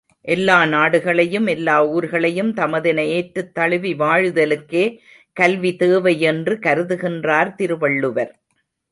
எல்லா நாடுகளையும், எல்லா ஊர்களையும் தமதென ஏற்றுத் தழுவி வாழுதலுக்கே கல்வி தேவையென்று கருதுகின்றார் திருவள்ளுவர்.